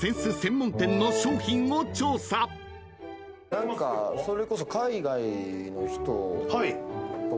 何かそれこそ。